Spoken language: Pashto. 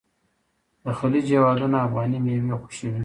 د خلیج هیوادونه افغاني میوې خوښوي.